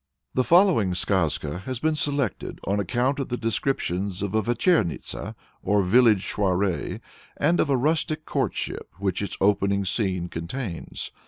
The following skazka has been selected on account of the descriptions of a vechernitsa, or village soirée, and of a rustic courtship, which its opening scene contains.